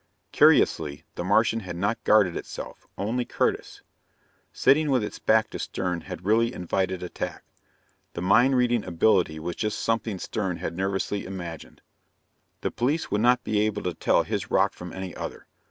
Curiously, the Martian had not guarded itself, only Curtis. Sitting with its back to Stern had really invited attack. The mind reading ability was just something that Stern had nervously imagined. The police would not be able to tell his rock from any other.